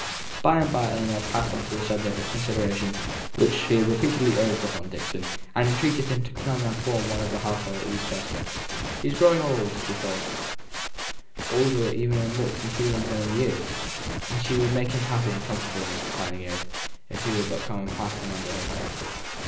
By and by Ellinor passed on to a subject the consideration of which she had repeatedly urged upon Dixon, and entreated him to come and form one of their household at East Chester. He was growing old, she thought older even in looks and feelings than in years, and she would make him happy and comfortable in his declining years if he would but come and pass them under her care.